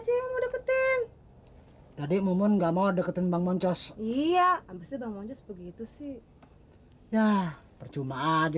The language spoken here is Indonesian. ceng udah keten tadi momon gak mau deketin bang moncos iya abis itu begitu sih ya percuma aja